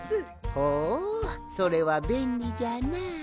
ほうそれはべんりじゃな。